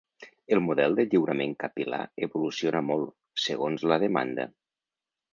El model de lliurament capil·lar evoluciona molt, segons la demanda.